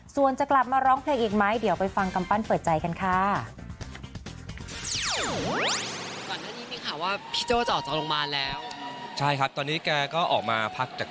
ส่วนจะกลับมาร้องเพลงอีกไหมเดี๋ยวไปฟังกำปั้นเปิดใจกันค่ะ